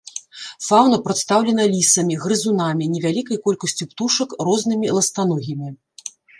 Фаўна прадстаўлена лісамі, грызунамі, невялікай колькасцю птушак, рознымі ластаногімі.